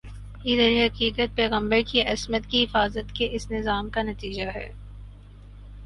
یہ درحقیقت پیغمبر کی عصمت کی حفاظت کے اس نظام کا نتیجہ ہے